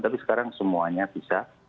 tapi sekarang semuanya bisa